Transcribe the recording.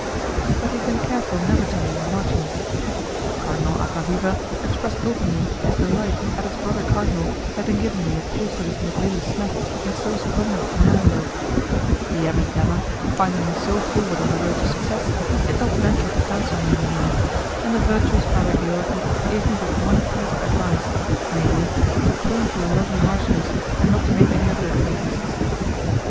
but he had been careful never to name the marchioness. Cardinal Acquaviva expressed openly his delight at his brother cardinal having given me a taste of his negrillo snuff in so splendid an envelope; the Abbé Gama, finding me so forward on the road to success, did not venture to counsel me any more, and the virtuous Father Georgi gave me but one piece of advice namely, to cling to the lovely marchioness and not to make any other acquaintances.